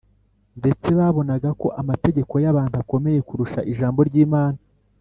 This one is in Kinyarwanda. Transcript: . Ndetse babonaga ko amategeko y’abantu akomeye kurusha Ijambo ry’Imana